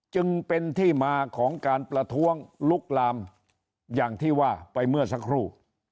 จึงเป็นที่มาของการประท้วงลุกลามอย่างที่ว่าไปเมื่อสักครู่